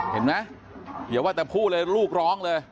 เห็นไหมอย่าว่าแต่พูดเลยลูกร้องเลย